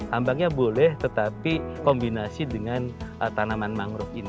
tambangnya boleh tetapi kombinasi dengan tanaman mangrove ini